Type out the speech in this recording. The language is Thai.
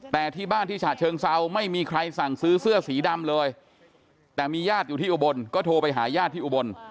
แต่ที่บ้านที่ฉะเชิงเซาไม่มีใครสั่งซื้อเสื้อสีดำเลยแต่มีญาติอยู่ที่อุบลก็โทรไปหาญาติที่อุบล